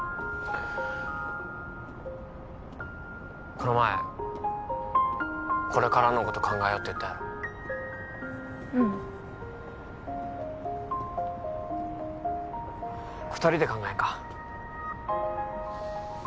この前これからのこと考えようって言ったやろうん二人で考えんか？